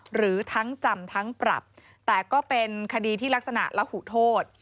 หรือทั้งจำทั้งปรับแต่ก็เป็นคดีที่ลักษณะระหูโทษ